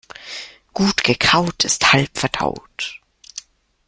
Gut gekaut ist halb verdaut.